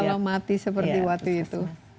kalau mati seperti waktu itu